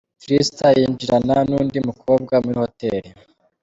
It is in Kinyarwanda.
Tristan yinjirana n'undi mukobwa muri hoteli.